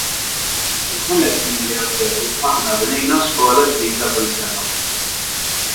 Fil-ħames snin li għaddew aħna bnejna skola ġdida kull sena.